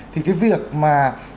thì cái việc mà